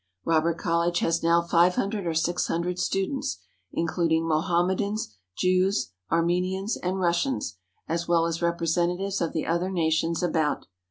Robert College has now five hundred or six hundred students, including Mohammedans, Jews, Armenians, and Russians, as well as representatives of the other na tions about.